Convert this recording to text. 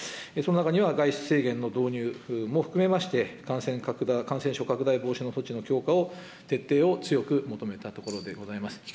その中には外出制限の導入も含めまして、感染症拡大防止の措置の強化を徹底を強く求めたところでございます。